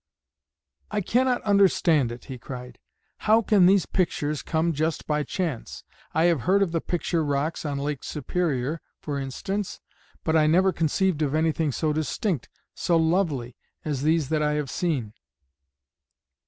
"I cannot understand it," he cried; "how can these pictures come just by chance? I have heard of the Picture Rocks on Lake Superior, for instance, but I never conceived of anything so distinct, so lovely, as these that I have seen."